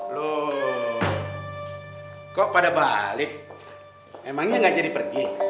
loh kok pada balik emangnya gak jadi pergi